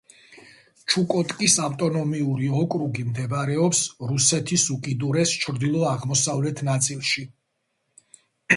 ჩუკოტკის ავტონომიური ოკრუგი მდებარეობს რუსეთის უკიდურეს ჩრდილო-აღმოსავლეთ ნაწილში.